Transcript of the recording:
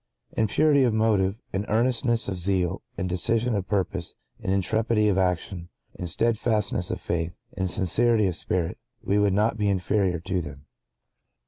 (¶ 3) In purity of motive, in earnestness of zeal, in decision of purpose, in intrepidity of action, in steadfastness of faith, in sincerity of spirit, we would not be inferior to them.